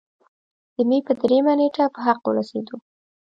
د مۍ پۀ دريمه نېټه پۀ حق اورسېدو